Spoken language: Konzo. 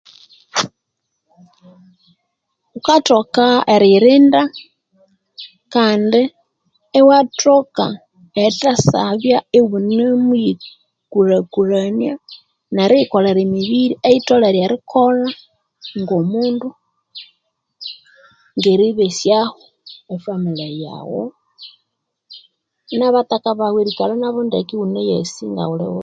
Ghukathoka eriyirinda Kandi iwathoka erithasabya iyunemughikulhakulhania neriyikolera ebemibiri eyitholere erikolha ngomundu ngeribesyaho efamile yaghu nabataka baghu erikalha nabo ndeke ighunayasi ngaghulighuti